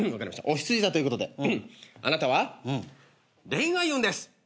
おひつじ座ということであなたは恋愛運です。